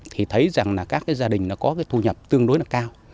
thì thấy rằng các gia đình có thu nhập tương đối cao